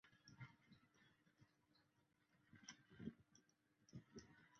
因此赛车手在数学及工程学上都有一定的知识。